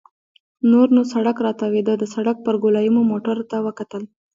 نور نو سړک راتاوېده، د سړک پر ګولایې مو موټرو ته وکتل.